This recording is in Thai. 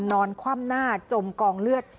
นอนคว่ำหน้าจมกองเลือด